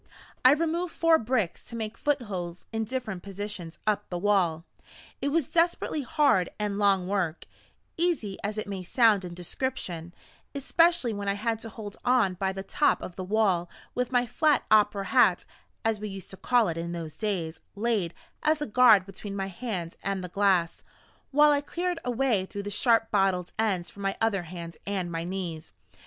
I removed four bricks to make footholes in different positions up the wall. It was desperately hard and long work, easy as it may sound in description especially when I had to hold on by the top of the wall, with my flat opera hat (as we used to call it in those days) laid, as a guard, between my hand and the glass, while I cleared a way through the sharp bottle ends for my other hand and my knees.